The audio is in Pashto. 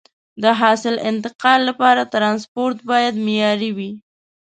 د حاصل انتقال لپاره ترانسپورت باید معیاري وي.